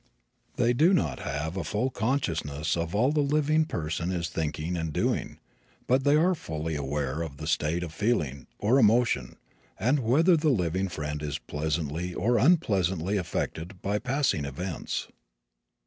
They do not have a full consciousness of all the living person is thinking and doing, but they are fully aware of the state of feeling, or emotion, and whether the living friend is pleasantly or unpleasantly affected by passing events.